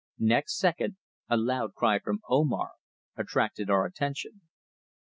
Next second, a loud cry from Omar attracted our attention.